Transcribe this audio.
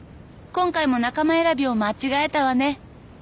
「今回も仲間選びを間違えたわね」